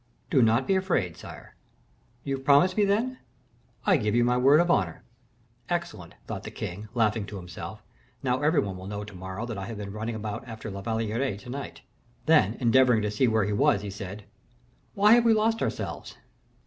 "Do not be afraid, sire." "You promise me, then?" "I give you my word of honor." "Excellent," thought the king, laughing to himself; "now every one will know to morrow that I have been running about after La Valliere to night." Then, endeavoring to see where he was, he said: "Why we have lost ourselves."